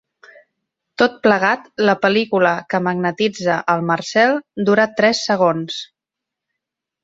Tot plegat la pel·lícula que magnetitza el Marcel dura tres segons.